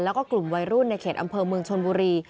แล้วก็กลุ่มวัยรุ่นในเขตอำเภอเมืองชนบุรี